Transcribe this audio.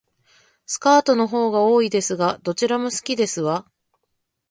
スカートの方が多いですが、どちらも好きですわ